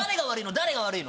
誰が悪いの？